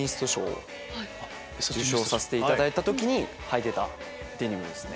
受賞させていただいた時にはいてたデニムですね。